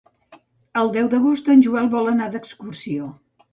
El deu d'agost en Joel vol anar d'excursió.